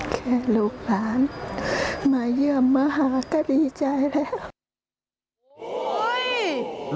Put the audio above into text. ลูกหลานมาเยี่ยมมาหาก็ดีใจแล้ว